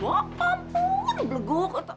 gapapa pun beleguk